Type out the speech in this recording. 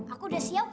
aku udah siap kok